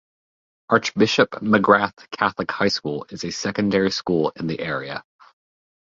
Archbishop McGrath Catholic High School is a secondary school in the area.